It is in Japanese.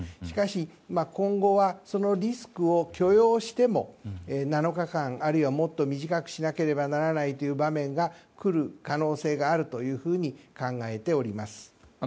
しかし、今後はそのリスクを許容しても７日間、あるいはもっと短くしなければならない場面が来る可能性があると考えております。